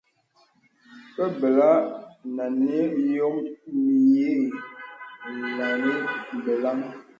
Ke bəlí nənì yǒm mīyï laŋhi beləŋ.